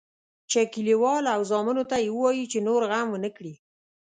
چې کلیوال او زامنو ته یې ووایي چې نور غم ونه کړي.